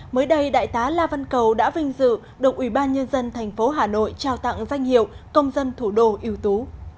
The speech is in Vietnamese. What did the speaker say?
mới đây đại tá la văn cầu đã vinh dự được ủy ban nhân dân thành phố hà nội trao tặng danh hiệu công dân thủ đô yêu tú